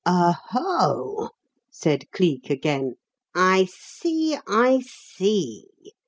"Oho!" said Cleek again. "I see! I see!